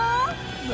何？